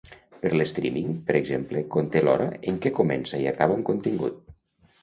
Per l'streaming, per exemple, conté l'hora en què comença i acaba un contingut.